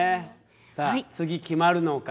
さあ次決まるのか。